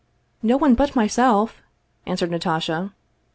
" No one but myself! " answered Natasha.